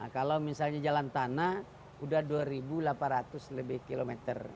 kalau misalnya jalan tanah sudah dua delapan ratus lebih kilometer